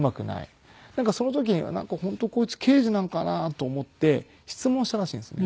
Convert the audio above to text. なんかその時に本当こいつ刑事なのかな？と思って質問したらしいんですよね。